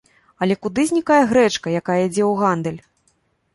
Але, куды знікае грэчка, якая ідзе ў гандаль?